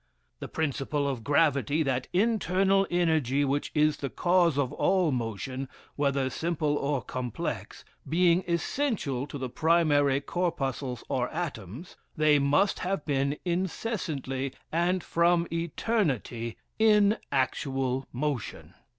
"The principle of gravity, that internal energy which is the cause of all motion, whether simple or complex, being essential to the primary corpuscles or atoms, they must have been incessantly and from eternity in actual motion."